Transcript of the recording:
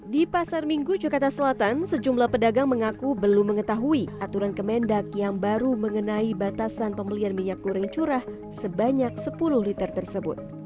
di pasar minggu jakarta selatan sejumlah pedagang mengaku belum mengetahui aturan kemendak yang baru mengenai batasan pembelian minyak goreng curah sebanyak sepuluh liter tersebut